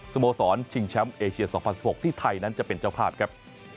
โมสรชิงแชมป์เอเชีย๒๐๑๖ที่ไทยนั้นจะเป็นเจ้าภาพครับ